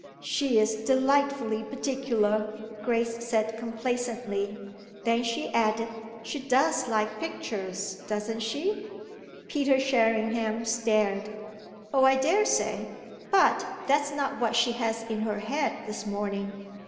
"She's delightfully particular!" Grace said complacently. Then she added: "She does like pictures, doesn't she?" Peter Sherringham stared. "Oh I daresay. But that's not what she has in her head this morning.